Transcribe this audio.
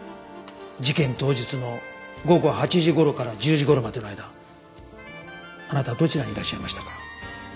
事件当日の午後８時頃から１０時頃までの間あなたはどちらにいらっしゃいましたか？